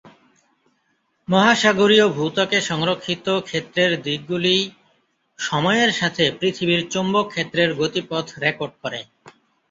মহাসাগরীয় ভূত্বকে সংরক্ষিত ক্ষেত্রের দিকগুলি সময়ের সাথে পৃথিবীর চৌম্বকক্ষেত্রের গতিপথ রেকর্ড করে।